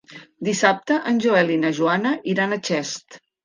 Dissabte en Joel i na Joana iran a Xest.